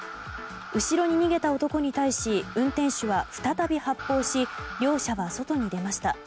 後ろに逃げた男に対し運転手は再び発砲し両者は外に出ました。